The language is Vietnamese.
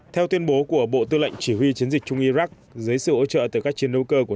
theo tuyên bố của bộ tư lệnh chỉ huy chiến dịch trung iraq dưới sự hỗ trợ từ các chiến đấu cơ của